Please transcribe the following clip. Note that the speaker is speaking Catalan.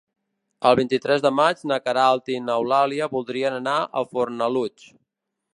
El vint-i-tres de maig na Queralt i n'Eulàlia voldrien anar a Fornalutx.